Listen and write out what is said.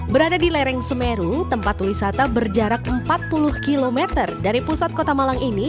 berada di lereng semeru tempat wisata berjarak empat puluh km dari pusat kota malang ini